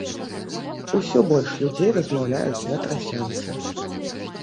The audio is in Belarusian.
Усё больш людзей размаўляюць на трасянцы.